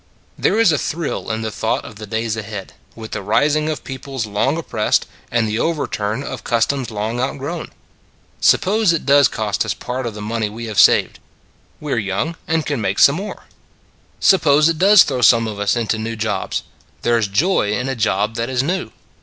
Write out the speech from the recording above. There is a thrill in the thought of the days ahead with the rising of peoples long oppressed, and the overturn of cus toms long outgrown. Suppose it does cost us part of the money we have saved; we re young and can make some more. io6 It s a Good Old World Suppose it does throw some of us into new jobs; there s joy in a job that is new.